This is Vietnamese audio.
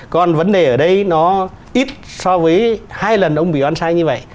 còn vấn đề ở đây nó ít so với hai lần ông bị oan sai như vậy